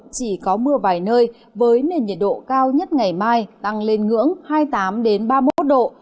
chỉ có mưa vài nơi với nền nhiệt độ cao nhất ngày mai tăng lên ngưỡng hai mươi tám ba mươi một độ